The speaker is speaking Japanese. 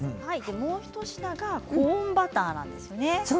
もう一品がコーンバターなんですね。